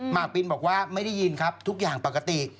ปินบอกว่าไม่ได้ยินครับทุกอย่างปกติ